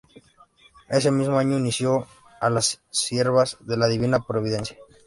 Ese mismo año dio inicio a las Siervas de la Divina Providencia.